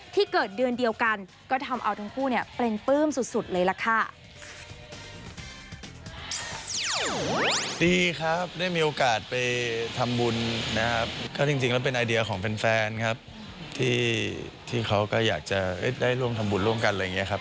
เกิดเดือนเดียวกันก็ทำเอาทั้งคู่เนี่ยเป็นปลื้มสุดเลยล่ะค่ะ